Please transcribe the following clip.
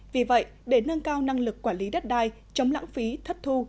vì vậy để nâng cao năng lực quản lý đất đai chống lãng phí thất thu